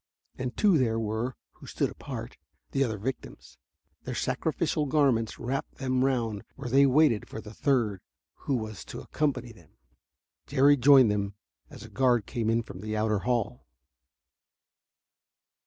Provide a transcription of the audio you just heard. And two there were, who stood apart: the other victims their sacrificial garments wrapped them round where they waited for the third who was to accompany them. Jerry joined them as a guard came in from the outer hall.